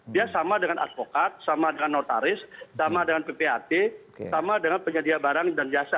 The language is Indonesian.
dia sama dengan advokat sama dengan notaris sama dengan ppat sama dengan penyedia barang dan jasa